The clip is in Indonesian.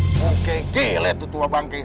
oke gila itu tua bangke